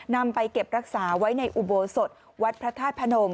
นำไปเก็บรักษาไว้ในอุโบสถวัดพระธาตุพนม